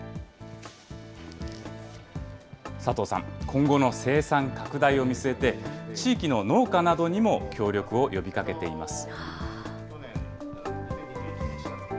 佐藤さん、今後の生産拡大を見据えて、地域の農家などにも協力を呼びかけています。